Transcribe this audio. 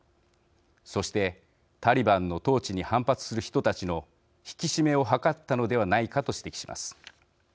そして、タリバンの統治に反発する人たちの引き締めを図ったのではないかと指摘します。